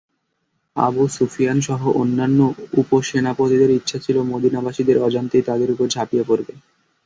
আবু সুফিয়ানসহ অন্যান্য উপসেনাপতিদের ইচ্ছা ছিল মদীনাবাসীদের অজান্তেই তাদের উপর ঝাঁপিয়ে পড়বে।